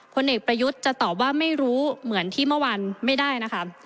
ผลเอกประยุทธ์จะตอบว่าไม่รู้เหมือนที่เมื่อวานไม่ได้นะคะ